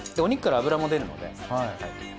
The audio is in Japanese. お肉から脂も出るので。